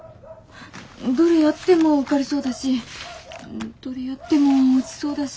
どれやっても受かりそうだしどれやっても落ちそうだし。